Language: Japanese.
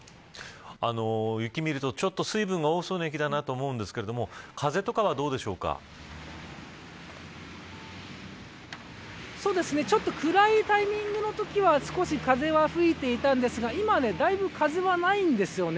雪を見ると水分が多そうな雪だなと思うんですけどちょっと暗いタイミングのときは少し風は吹いていたんですが今は、だいぶ風はないんですよね。